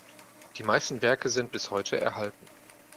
Die meisten Werke sind bis heute erhalten.